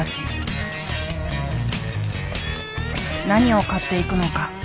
何を買っていくのか。